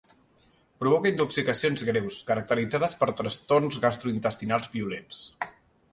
Provoca intoxicacions greus, caracteritzades per trastorns gastrointestinals violents.